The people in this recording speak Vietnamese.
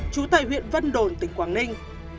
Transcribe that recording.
trú tại huyện vân đồn tỉnh quảng ninh